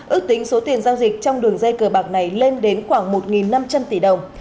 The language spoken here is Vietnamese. ước tính số tiền giao dịch trong đường dây cờ bạc này lên đến khoảng một năm trăm linh tỷ đồng